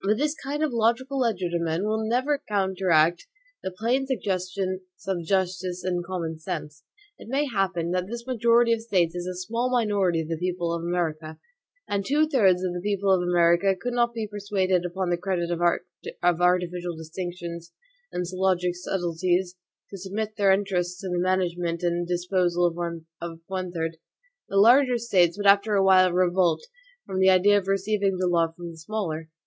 But this kind of logical legerdemain will never counteract the plain suggestions of justice and common sense. It may happen that this majority of States is a small minority of the people of America;(3) and two thirds of the people of America could not long be persuaded, upon the credit of artificial distinctions and syllogistic subtleties, to submit their interests to the management and disposal of one third. The larger States would after a while revolt from the idea of receiving the law from the smaller.